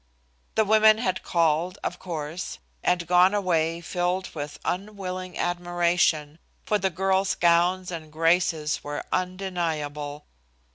The women had called, of course, and gone away filled with unwilling admiration, for the girl's gowns and graces were undeniable.